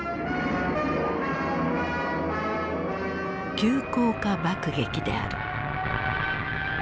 急降下爆撃である。